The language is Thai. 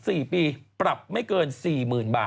ไอ้ที่สัตว์เนี่ยแหละ